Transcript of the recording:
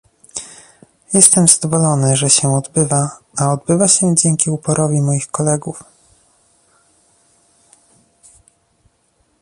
Jestem zadowolony, że się odbywa, a odbywa się dzięki uporowi moich kolegów